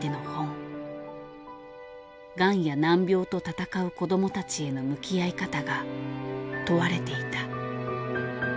がんや難病と闘う子どもたちへの向き合い方が問われていた。